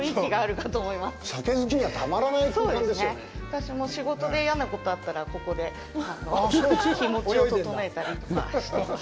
私も仕事で嫌なことあったらここで気持ちを整えたりとかしてます。